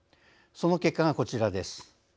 その結果がこちらです。